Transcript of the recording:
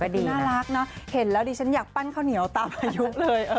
อันนี้น่ารักนะเห็นแล้วดิฉันอยากปั้นข้าวเหนียวตามอายุเลย